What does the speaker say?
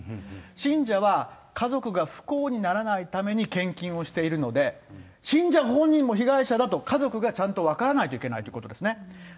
信者は、家族が不幸にならないために献金をしているので、信者本人も被害者だと家族がちゃんと分からないといけないということですね。